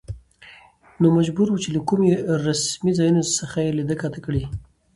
نو مجبور و، چې له کومو رسمي ځايونو څخه يې ليده کاته کړي.